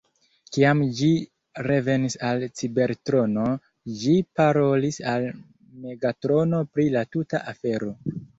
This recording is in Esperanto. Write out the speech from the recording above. Kiam ĝi revenis al Cibertrono, ĝi parolis al Megatrono pri la tuta afero.